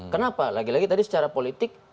kenapa lagi lagi tadi secara politik